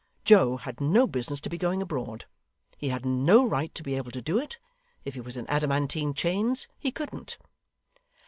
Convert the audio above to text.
Joe had no business to be going abroad. He had no right to be able to do it. If he was in adamantine chains, he couldn't.